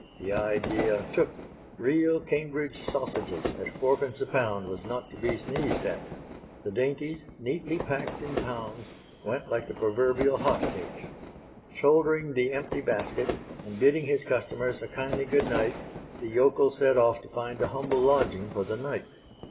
The idea took "Real Cambridge Sausages" at fourpence a pound was not to be sneezed at. The dainties, neatly packed in pounds, went like the proverbial hot cakes. Shouldering the empty basket, and bidding his customers a kindly goodnight, the yokel set off to find a humble lodging for the night.